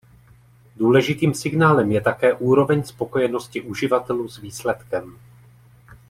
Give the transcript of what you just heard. Důležitým signálem je také úroveň spokojenosti uživatelů s výsledkem.